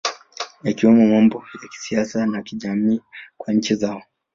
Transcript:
Yakiwemo mambo ya kisiasa na kijamii kwa nchi zao